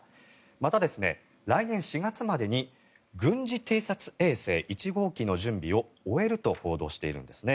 また、来年４月までに軍事偵察衛星１号機の準備を終えると報道しているんですね。